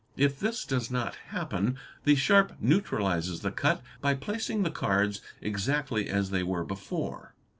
If this does not happen, the sharp neutralises the cut by placing the cards exactly as they were before.